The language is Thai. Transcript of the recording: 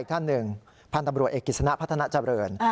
ท่านหนึ่งพันธุ์ตำรวจเอกกิจสนะพัฒนาเจริญ